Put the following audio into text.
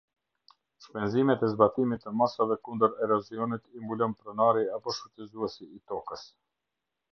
Shpenzimet e zbatimit të masave kundër erozionit i mbulon pronari apo shfrytëzuesi i tokës.